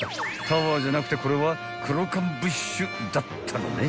［タワーじゃなくてこれはクロカンブッシュだったのね］